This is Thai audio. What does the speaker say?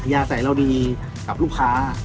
ยาใส่เราดีกับลูกค้า